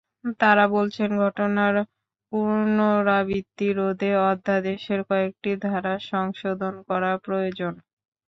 তাঁরা বলছেন, ঘটনার পুনরাবৃত্তি রোধে অধ্যাদেশের কয়েকটি ধারা সংশোধন করা প্রয়োজন।